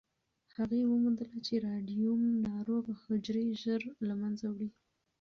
هغې وموندله چې راډیوم ناروغ حجرې ژر له منځه وړي.